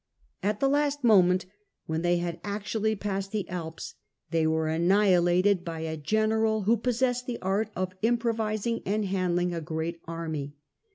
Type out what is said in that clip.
At the last moment, when they had actually passed the Alps, they were annihilated by a general who possessed the art of improvising and handling a great .army.